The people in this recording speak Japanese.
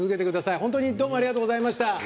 本当にどうもありがとうございます。